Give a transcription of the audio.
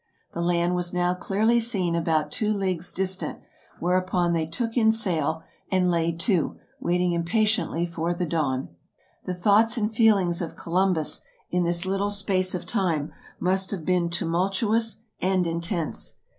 The land was now clearly seen about two leagues distant, whereupon they took in sail, and laid to, waiting impatiently for the dawn. The thoughts and feelings of Columbus in this little space of time must have been tumultuous and intense.